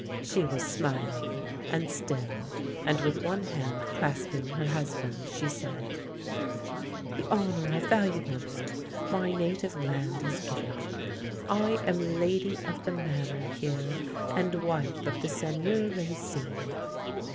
She was smiling and still, and with one hand clasping her husband's, she said: " The honour I value most, my native land has given me. I am lady of the Manor here, and wife of the Seigneur Racine